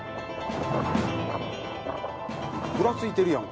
ぐらついてるやん。